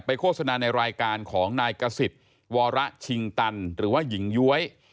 โฆษณาในรายการของนายกษิตวรชิงตันหรือว่าหญิงย้วย